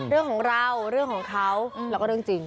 เรื่องของเราเรื่องของเขาแล้วก็เรื่องจริง